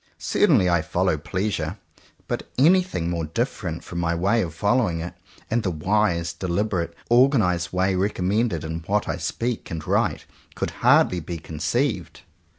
Certainly I follow Pleasure; but anything more different from my way of following it, and the wise, deliberately or ganized way recommended in what I speak and write, could hardly be conceived.